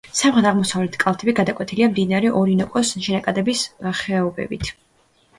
სამხრეთ-აღმოსავლეთ კალთები გადაკვეთილია მდინარე ორინოკოს შენაკადების ხეობებით.